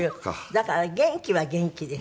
だから元気は元気です。